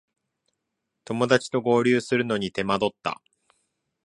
友だちと合流するのに手間取った